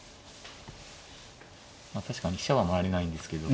まあ確かに飛車は回れないんですけど。